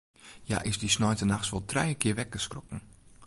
Hja is dy sneintenachts wol trije kear wekker skrokken.